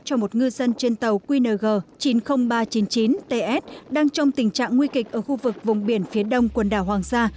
cho một ngư dân trên tàu qng chín mươi nghìn ba trăm chín mươi chín ts đang trong tình trạng nguy kịch ở khu vực vùng biển phía đông quần đảo hoàng sa